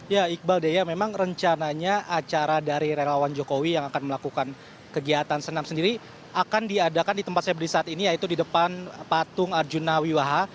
ya iqbal dea memang rencananya acara dari relawan jokowi yang akan melakukan kegiatan senam sendiri akan diadakan di tempat saya berdiri saat ini yaitu di depan patung arjuna wiwaha